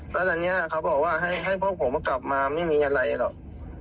แล้วตอนนี้เขาบอกว่าให้พวกผมกลับมาไม่มีอะไรหรอก